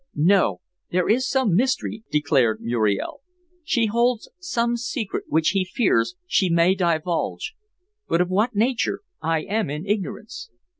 "No. There is some mystery," declared Muriel. "She holds some secret which he fears she may divulge. But of what nature, I am in ignorance."